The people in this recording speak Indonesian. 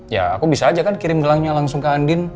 ya aku bisa aja kan kirim gelangnya langsung ke andin